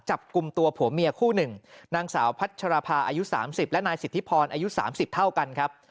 จับกลุ่มตัวผัวเมียคู่หนึ่งนางสาวพัชรภาอายุ๓๐และนายสิทธิพรอายุ๓๐เท่ากันครับ